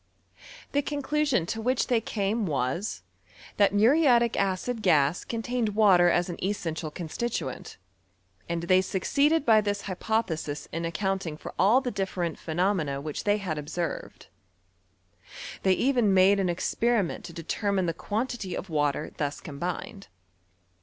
The conclusion to which they came was,' tluit muriatic acid gas contained water as an esaeatial constituent ; and they succeeded by this hypothesii in accounting for all the different phenomena which they had observed. Tliey even made an experiment to determine the quantity of water thus combined.